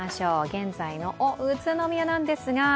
現在の宇都宮なんですが。